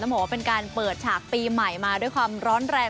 บอกว่าเป็นการเปิดฉากปีใหม่มาด้วยความร้อนแรง